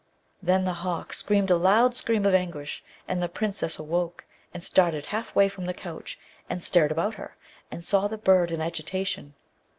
Then the hawk screamed a loud scream of anguish, and the Princess awoke, and started half way from the couch, and stared about her, and saw the bird in agitation.